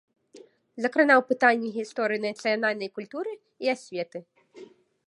Закранаў пытанні гісторыі нацыянальнай культуры і асветы.